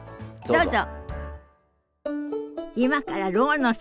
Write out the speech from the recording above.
どうぞ。